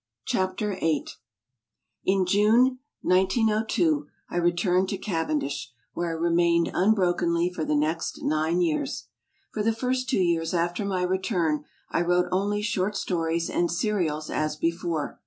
''"'„,. .,Google EIGHT I • njune, 1902, 1 returned to Cavendish, where I remained unbrokenly for the next nine years. For the first two years after my return I wrote only shon stories and serials as before.